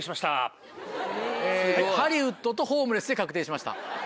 ハリウッドとホームレスで確定しました？